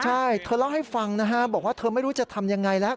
ใช่เธอเล่าให้ฟังนะฮะบอกว่าเธอไม่รู้จะทำยังไงแล้ว